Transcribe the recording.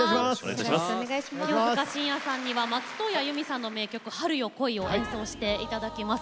清塚信也さんには松任谷由実さんの名曲「春よ、来い」を演奏していただきます。